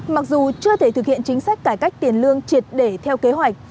mặc dù chưa thể thực hiện chính sách cải cách tiền lương triệt để theo kế hoạch